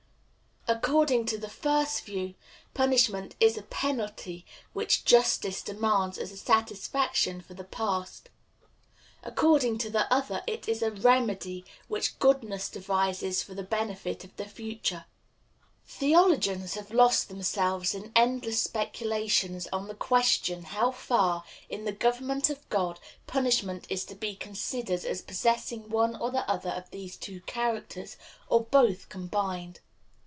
According to the first view, punishment is a penalty which justice demands as a satisfaction for the past. According to the other it is a remedy which goodness devises for the benefit of the future. Theologians have lost themselves in endless speculations on the question how far, in the government of God, punishment is to be considered as possessing one or the other of these two characters, or both combined.